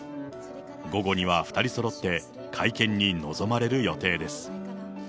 午後には、２人そろって会見に臨まれる予定です。